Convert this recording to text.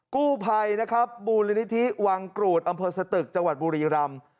กู้ภัยนะครับบูรณิธิวังกรูดอำเภอสตึกจบุรีรำ